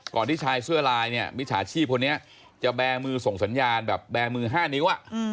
ก่อนที่ชายเสื้อลายมิจฉาชีพพวกนี้จะแบงมือส่งสัญญาณแบบแบงมือ๕นิ้ว